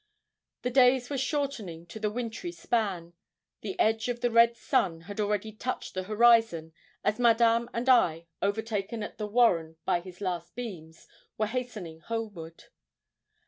The days were shortening to the wintry span. The edge of the red sun had already touched the horizon as Madame and I, overtaken at the warren by his last beams, were hastening homeward.